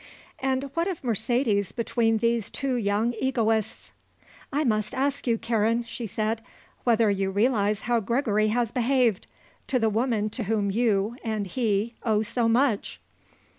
And what of Mercedes between these two young egoists? "I must ask you, Karen," she said, "whether you realise how Gregory has behaved, to the woman to whom you, and he, owe so much?"